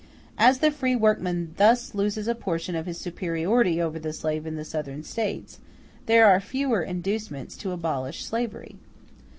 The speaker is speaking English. As the free workman thus loses a portion of his superiority over the slave in the Southern States, there are fewer inducements to abolish slavery.